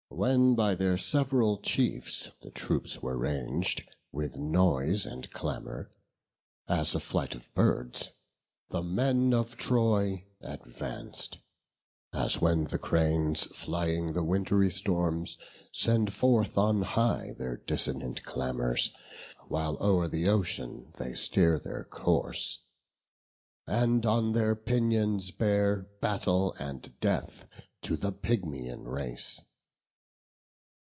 WHEN by their sev'ral chiefs the troops were rang'd, With noise and clamour, as a flight of birds, The men of Troy advanc'd; as when the cranes, Flying the wintry storms, send forth on high Their dissonant clamours, while o'er the ocean stream They steer their course, and on their pinions bear Battle and death to the Pygmaean race.